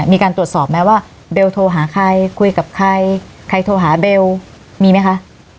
มีการตรวจสอบไหมว่าเบลโทรหาใครคุยกับใครใครโทรหาเบลมีไหมคะ